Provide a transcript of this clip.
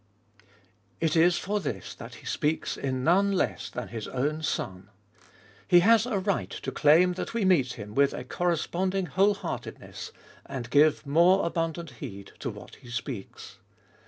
It is for this He speaks in none less than His own Son. He has a right to claim that we meet Him with a corresponding whole heartedness, and give more abundant heed to what He speaks.